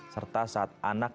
serta saat anak